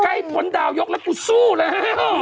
ให้ผลดาวยกแล้วกูสู้แล้ว